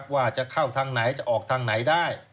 ว่าจะเข้าทางไหนจะออกทางไหนได้